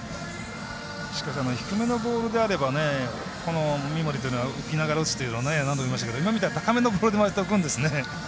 低めのボールであれば三森というのは浮きながら打つというのを何度も見ましたが今みたいな高めのボールでも浮くんですね。